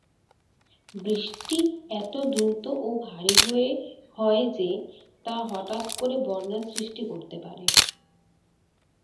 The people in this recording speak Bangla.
বৃষ্টি এত দ্রুত ও ভারী হয় যে, তা হঠাৎ করে বন্যার সৃষ্টি করতে পারে।